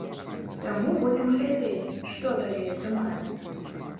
Таму будзем глядзець, што далей атрымаецца.